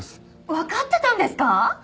わかってたんですか！？